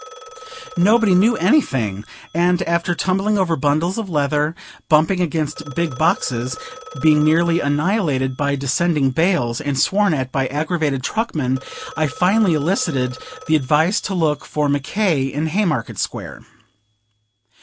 Nobody knew anything, and after tumbling over bundles of leather, bumping against big boxes, being nearly annihilated by descending bales, and sworn at by aggravated truckmen, I finally elicited the advice to look for Mc K. in Haymarket Square.